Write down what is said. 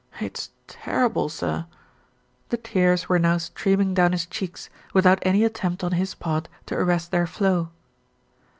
It's terrible, sir." The tears were now streaming down his cheeks, without any attempt on his part to arrest their flow.